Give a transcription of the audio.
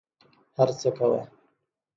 هر څه کوه.